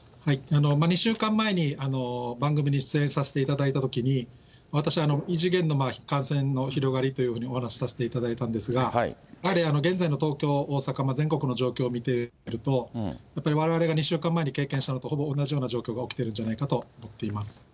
２週間前に番組に出演させていただいたときに、私、異次元の感染の広がりというお話をさせていただいたんですが、やはり現在の東京、大阪も全国の状況を見てると、やっぱりわれわれが２週間前に経験したのとほぼ同じような状況が起きてるんじゃないかと思っています。